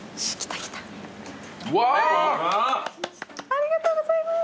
ありがとうございます。